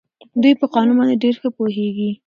دوی په قانون باندې ډېر ښه پوهېږي.